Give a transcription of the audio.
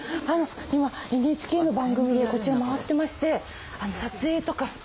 今ＮＨＫの番組でこちら回ってまして。